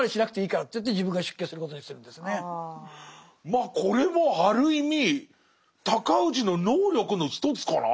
まあこれもある意味尊氏の能力の一つかな。